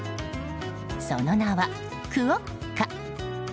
その名はクオッカ。